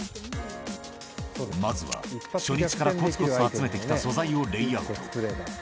まずは、初日からこつこつと集めてきた素材をレイアウト。